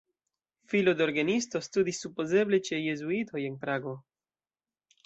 Filo de orgenisto, studis supozeble ĉe jezuitoj en Prago.